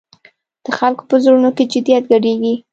د خلکو په زړونو کې جدیت ګډېږي.